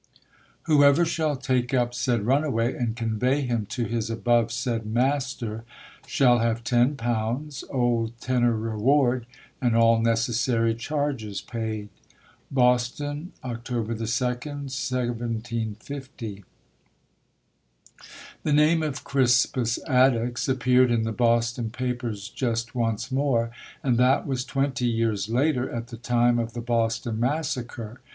Whoever shall take up said Runaway, and convey him to his above said Master, shall have ten pounds, Old Tenor Reward, and all necessary charges paid. Boston, Oct. 2, 1750. The name of Crispus Attucks appeared in the Boston papers just once more, and that was [229 ] 230 ] UNSUNG HEROES twenty years later, at the time of the Boston Mas sacre.